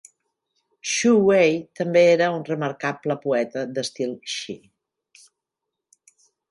Xu Wei també era un remarcable poeta d'estil "shi".